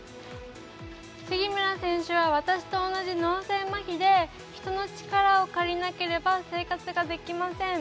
杉村選手は私と同じ脳性まひで人の力を借りなければ生活ができません。